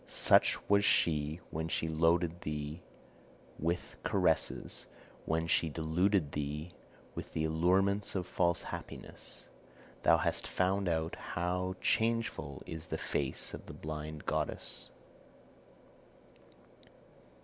Such was she when she loaded thee with caresses, when she deluded thee with the allurements of a false happiness. Thou hast found out how changeful is the face of the blind goddess.